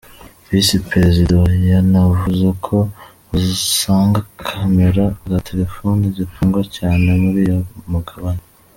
Visi Perezida wa yanavuze ko usanga camera za telefoni zikundwa cyane muri uyu mugabane